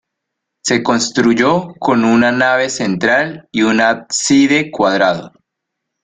Se construyó con una nave central y un ábside cuadrado.